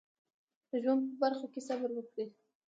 د ژوند په هره برخه کې صبر وکړئ.